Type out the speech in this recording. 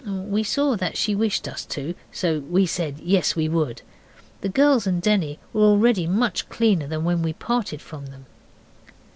We saw that she wished us to, so we said yes, we would. The girls and Denny were already much cleaner than when we parted from them.